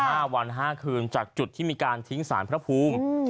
ห้าวันห้าคืนจากจุดที่มีการทิ้งสารพระภูมิอืม